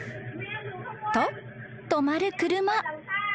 ［と止まる車］